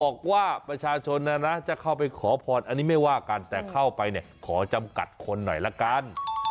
บอกว่าประชาชนนะนะจะเข้าไปขอพรอันนี้ไม่ว่ากันแต่เข้าไปเนี่ยขอจำกัดคนหน่อยละกัน